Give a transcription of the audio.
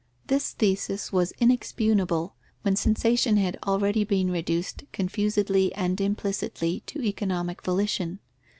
This thesis was inexpugnable, when sensation had already been reduced confusedly and implicitly to economic volition.